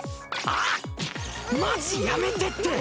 あ‼マジやめてって！